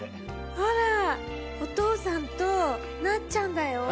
ほらお父さんとなっちゃんだよ。